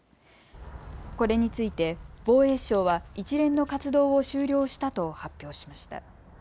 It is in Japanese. これについて防衛省は一連の活動を終了したと発表しました。